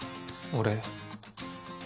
俺